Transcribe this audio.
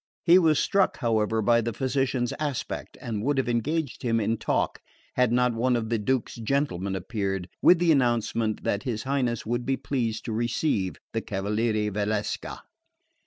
He was struck, however, by the physician's aspect, and would have engaged him in talk had not one of the Duke's gentlemen appeared with the announcement that his Highness would be pleased to receive the Cavaliere Valsecca.